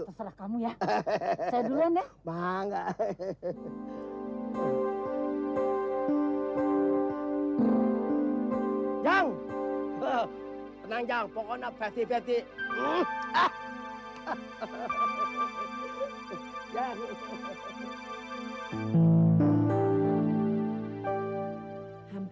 terserah kamu ya